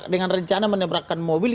dengan rencana menebrakan mobil